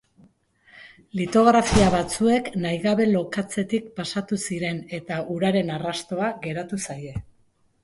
Litografia batzuek nahi gabe lokatzetik pasatu ziren eta uraren arrastoa geratu zaie.